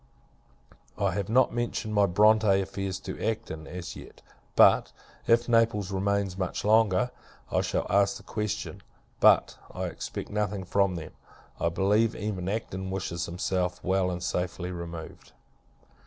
I have not mentioned my Bronte affairs to Acton, as yet; but, if Naples remains much longer, I shall ask the question. But, I expect nothing from them. I believe, even Acton wishes himself well, and safely removed.